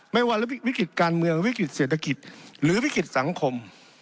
ไม่ว่าวิกฤติการเมืองวิกฤติเศรษฐกิจหรือวิกฤตสังคม